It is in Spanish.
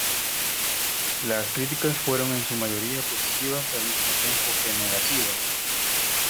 Las críticas fueron en su mayoría positivas al mismo tiempo que negativas.